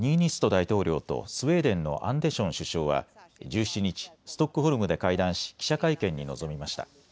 大統領とスウェーデンのアンデション首相は１７日、ストックホルムで会談し記者会見に臨みました。